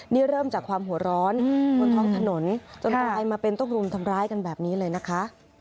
นี่เริ่มจากความหัวร้อนบนท้องถนนจนกลายมาเป็นต้องรุมทำร้ายกันแบบนี้เลยนะคะ